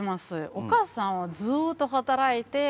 お母さんはずっと働いて。